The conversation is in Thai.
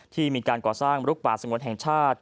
ที่มีการก่อสร้างลุกป่าสงวนแห่งชาติ